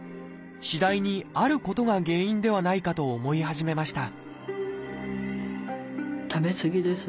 次第にあることが原因ではないかと思い始めました